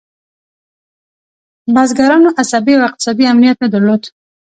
بزګرانو عصبي او اقتصادي امنیت نه درلود.